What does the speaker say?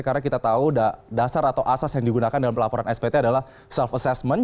karena kita tahu dasar atau asas yang digunakan dalam laporan spt adalah self assessment